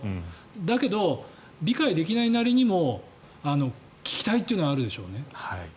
だけど、理解できないなりにも聞きたいというのがあるでしょうね。